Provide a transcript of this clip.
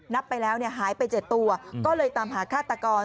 นับไปแล้วหายไป๗ตัวก็เลยตามหาฆาตกร